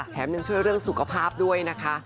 ยังช่วยเรื่องสุขภาพด้วยนะคะ